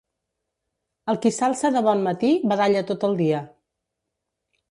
El qui s'alça de bon matí, badalla tot el dia.